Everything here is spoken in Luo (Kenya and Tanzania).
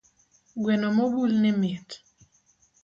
Gweno mobul ni mit